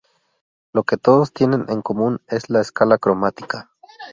Lo que todos tienen en común es la escala cromática.